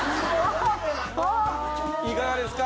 いかがですか？